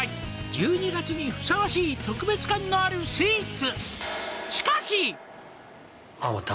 「１２月にふさわしい特別感のあるスイーツ」